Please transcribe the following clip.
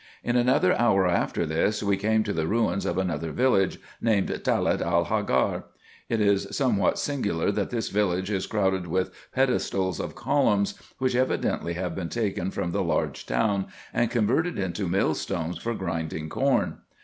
In another hour after this, we came to the ruins of another village, named Talet el Hagar. It is somewhat singular that this village is crowded with pedestals of columns, which evidently have been taken from the large town, and converted into millstones for grinding corn.